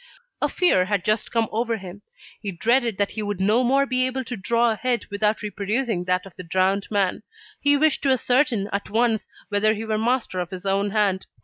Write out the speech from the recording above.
A fear had just come over him: he dreaded that he would no more be able to draw a head without reproducing that of the drowned man. He wished to ascertain, at once, whether he were master of his own hand.